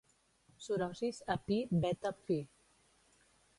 Sorosis a Pi Beta Phi.